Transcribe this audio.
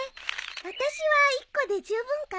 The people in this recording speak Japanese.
私は１個でじゅうぶんかな。